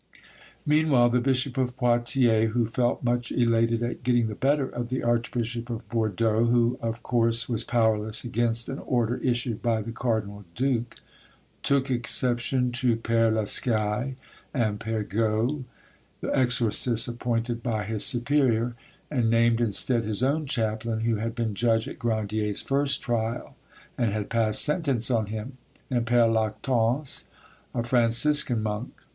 Meanwhile the Bishop of Poitiers, who felt much elated at getting the better of the Archbishop of Bordeaux, who of course was powerless against an order issued by the cardinal duke, took exception to Pere l'Escaye and Pere Gaut, the exorcists appointed by his superior, and named instead his own chaplain, who had been judge at Grandier's first trial, and had passed sentence on him, and Pere Lactance, a Franciscan monk.